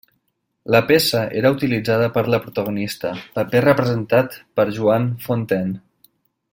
La peça era utilitzada per la protagonista, paper representat per Joan Fontaine.